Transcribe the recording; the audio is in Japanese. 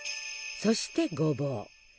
そしてごぼう。